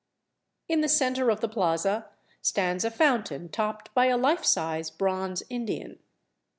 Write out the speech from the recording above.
In the center of the plaza stands a fountain topped by a life size bronze Indian.